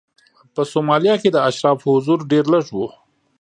په سومالیا کې د اشرافو حضور ډېر لږ و.